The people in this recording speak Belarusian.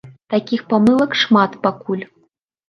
Такіх памылак шмат пакуль.